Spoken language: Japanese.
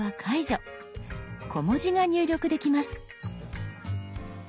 小文字が入力できます。